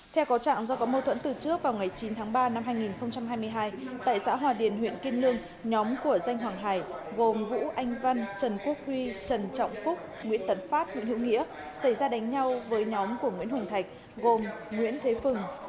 theo có trạng do có mâu thuẫn từ trước vào ngày chín tháng ba năm hai nghìn hai mươi hai tại xã hòa điền huyện kiên lương nhóm của danh hoàng hải gồm vũ anh văn trần quốc huy trần trọng phúc nguyễn tấn pháp nguyễn hữu nghĩa xảy ra đánh nhau với nhóm của nguyễn hùng thạch gồm nguyễn thế phừng